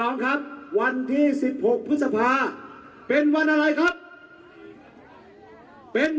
มันคือหนึ่งสามเจ็ด